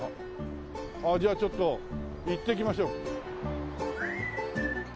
ああじゃあちょっと行ってきましょう。